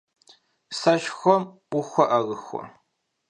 Сэшхуэм ухуэӀэрыхуэ?